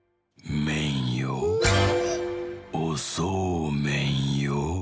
おそうめんよ』」。